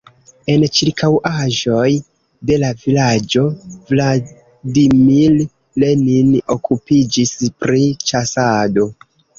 En ĉirkaŭaĵoj de la vilaĝo Vladimir Lenin okupiĝis pri ĉasado.